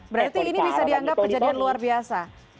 berarti ini bisa dianggap kejadian luar biasa